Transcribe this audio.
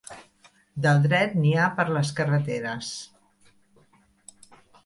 Del dret n'hi ha per les carreteres.